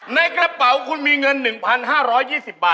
ในกระเป๋าคุณมีเงิน๑๕๒๐ใช่ไหมนะ